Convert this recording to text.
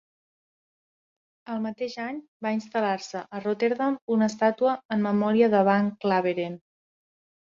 El mateix any va instal·lar-se a Rotterdam una estàtua en memòria de van Klaveren.